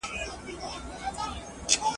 نوي جامې نه لرم زه نوي څپلۍ نه لرم !.